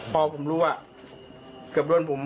พอผมรู้ว่าเกือบโดนผม